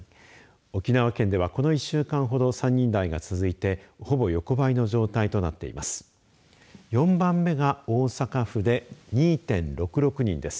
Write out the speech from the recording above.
沖縄県ではこの１週間ほど３人台が続いてほぼ横ばいの状態となっています。